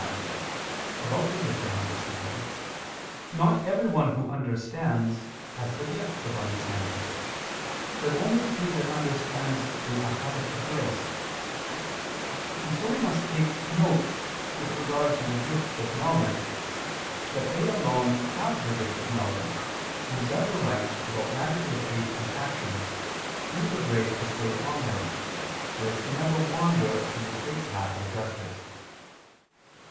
5) about the gift of understanding, not everyone who understands, has the gift of understanding, but only he that understands through a habit of grace: and so we must take note, with regard to the gift of knowledge, that they alone have the gift of knowledge, who judge aright about matters of faith and action, through the grace bestowed on them, so as never to wander from the straight path of justice.